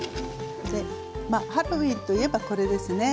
ハロウィーンといえばこれですね。